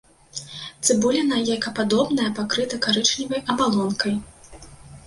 Цыбуліна яйкападобная, пакрыта карычневай абалонкай.